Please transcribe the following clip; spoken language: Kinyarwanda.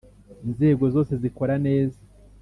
inzego zose zikora neza,